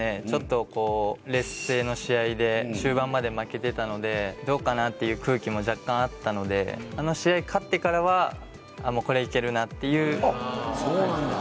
ちょっと劣勢の試合で終盤まで負けてたのでどうかなっていう空気も若干あったのであの試合勝ってからはこれはいけるなっていうそうなんだ